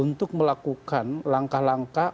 untuk melakukan langkah langkah